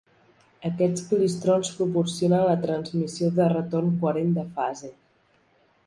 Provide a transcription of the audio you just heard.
Aquests clistrons proporcionen la transmissió de retorn coherent de fase.